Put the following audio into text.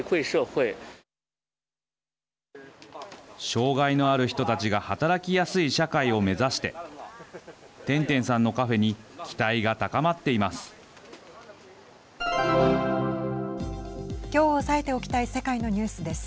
障害のある人たちが働きやすい社会を目指して天天さんのカフェに期待が高まっています。